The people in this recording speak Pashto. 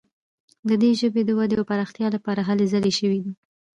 د دې ژبې د ودې او پراختیا لپاره هلې ځلې شوي دي.